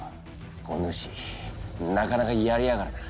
お主なかなかやりやがるな。